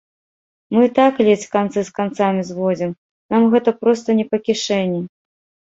Мы і так ледзь канцы з канцамі зводзім, нам гэта проста не па кішэні.